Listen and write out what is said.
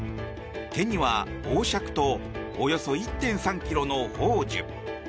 手には王笏とおよそ１．３ｋｇの宝珠。